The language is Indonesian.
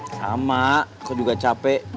sama kau juga capek